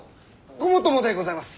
ごもっともでございます。